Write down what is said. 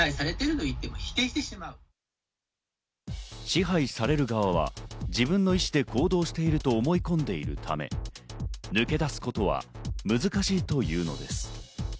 支配される側は自分の意思で行動していると思い込んでいるため、抜け出すことは難しいというのです。